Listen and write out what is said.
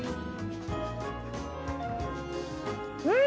うん！